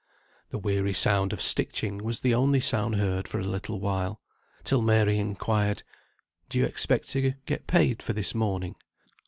_] The weary sound of stitching was the only sound heard for a little while, till Mary inquired, "Do you expect to get paid for this mourning?"